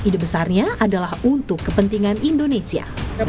kebesarnya adalah untuk kepentingan indonesia